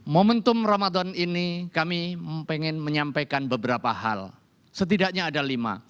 momentum ramadan ini kami ingin menyampaikan beberapa hal setidaknya ada lima